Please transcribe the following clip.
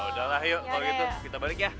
udahlah yuk kalau gitu kita balik ya